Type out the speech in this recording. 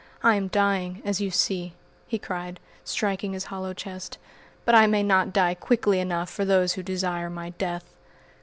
I am dying, as you see," he cried, striking his hollow chest, "but I may not die quickly enough for those who desire my death."